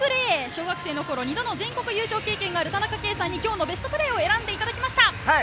小学生の頃に２度の全国優勝経験がある田中圭さんに今日のベストプレーを選んでいただきました。